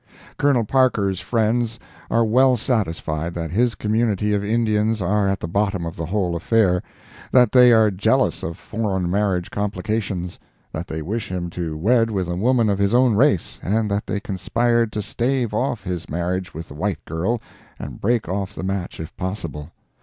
Colonel Parker's friends are well satisfied that his community of Indians are at the bottom of the whole affair; that they are jealous of foreign marriage complications; that they wish him to wed with a woman of his own race, and that they conspired to stave off his marriage with the white girl and break off the match if possible.